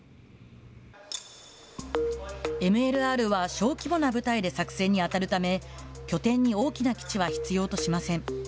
ＭＬＲは小規模な部隊で作戦に当たるため、拠点に大きな基地は必要としません。